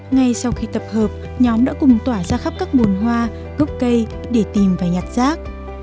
ngay sau khi tập hợp nhóm đã cùng tỏa ra khắp các bồn hoa gốc cây để tìm và nhặt rác